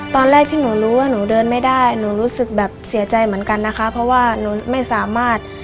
ตอนแรกที่หนูรู้ว่าหนูเดินไม่ได้หนูรู้สึกแบบเสียใจเหมือนกันนะคะเพราะว่าหนูไม่สามารถ